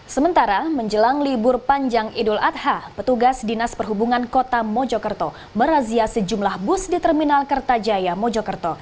sementara menjelang libur panjang idul adha petugas dinas perhubungan kota mojokerto merazia sejumlah bus di terminal kertajaya mojokerto